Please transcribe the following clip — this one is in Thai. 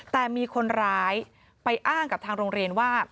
แต่มีคนร้ายไปอ้างกับทางโรงเรียนว่า